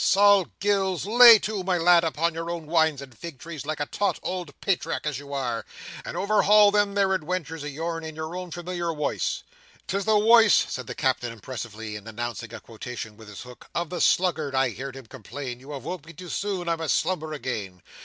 Sol Gills, lay to, my lad, upon your own wines and fig trees like a taut ould patriark as you are, and overhaul them there adwentures o' yourn, in your own formilior woice. "Tis the woice," said the Captain, impressively, and announcing a quotation with his hook, "of the sluggard, I heerd him complain, you have woke me too soon, I must slumber again.